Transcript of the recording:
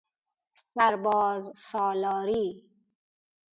سرباز سالاری